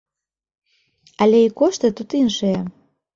Але і кошты тут іншыя.